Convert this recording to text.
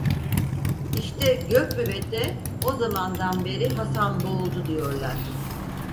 İşte Gök Büvet'e o zamandan beri Hasanboğuldu diyorlar…